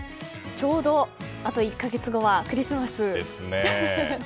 ちょうどあと１か月後はクリスマスですね。